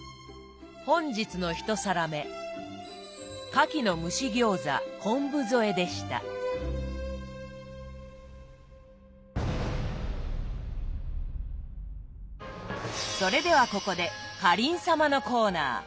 本日の１皿目それではここでかりん様のコーナー。